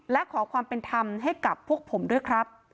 และขอความเป็นธรรมให้กับพวกผมด้วยครับ